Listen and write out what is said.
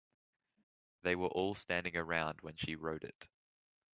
They were all standing around when she wrote it.